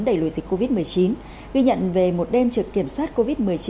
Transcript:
đẩy lùi dịch covid một mươi chín ghi nhận về một đêm trực kiểm soát covid một mươi chín